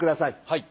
はい。